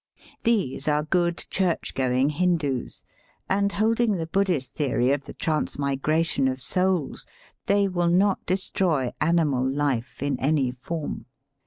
These are good church going Hin doos, and, holding the Buddhist theory of the transmigration of souls, they will not destroy animal life in any form.